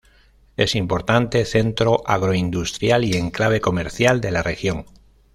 Es importante centro agroindustrial y enclave comercial de la región.